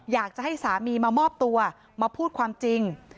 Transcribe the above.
อยากจะให้สามีมามอบตัวมาพูดความจริง